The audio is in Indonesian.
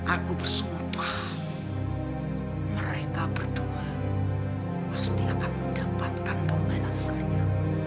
aku bersumpah mereka berdua pasti akan mendapatkan pembalasannya